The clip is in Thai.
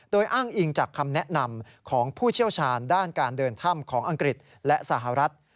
โดยอ้างอิงจากคำแนะนำของผู้เชี่ยวชาญด้านการเดินถ้ำของอังกฤษและสหรัฐ